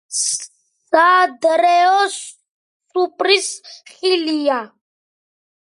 საადრეო სუფრის ხილია.